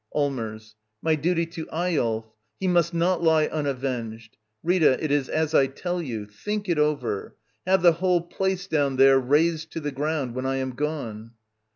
Allmers. My duty to Eyolf. H e must not h'e ""av^pg^ft Rita, it is as I tell you ! Think it over ! lave the whole place down there razed to the ground— ^ when I am gone.